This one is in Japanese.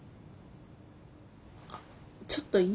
あっちょっといい？